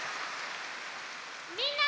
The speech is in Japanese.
みんな！